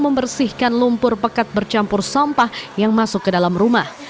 membersihkan lumpur pekat bercampur sampah yang masuk ke dalam rumah